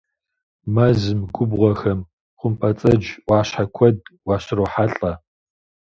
Мэзым, губгъуэхэм хъумпӏэцӏэдж ӏуащхьэ куэд уащрохьэлӏэ.